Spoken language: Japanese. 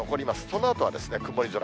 そのあとは曇り空。